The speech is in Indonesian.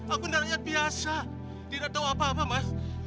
aku nanya biasa tidak tahu apa apa mas